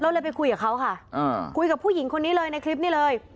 เลยไปคุยกับเขาค่ะคุยกับผู้หญิงคนนี้เลยในคลิปนี้เลย